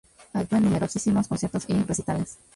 Actúo en numerosísimos conciertos y recitales.